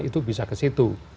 itu bisa ke situ